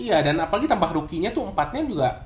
iya dan apalagi tambah rukinya tuh empat nya juga